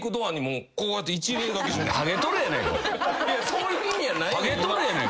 いやそういう意味やないねん。